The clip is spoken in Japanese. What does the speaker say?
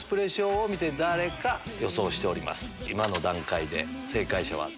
今の段階で。